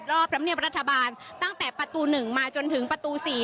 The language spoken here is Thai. รอบธรรมเนียบรัฐบาลตั้งแต่ประตู๑มาจนถึงประตู๔